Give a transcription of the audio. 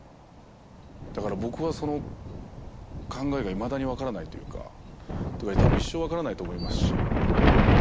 だから僕はその考えがいまだに分からないというかというか多分一生分からないと思いますし。